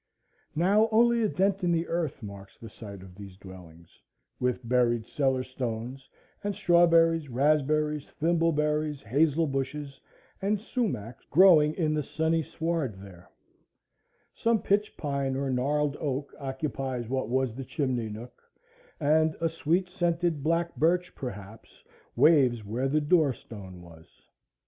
Now only a dent in the earth marks the site of these dwellings, with buried cellar stones, and strawberries, raspberries, thimble berries, hazel bushes, and sumachs growing in the sunny sward there; some pitch pine or gnarled oak occupies what was the chimney nook, and a sweet scented black birch, perhaps, waves where the door stone was.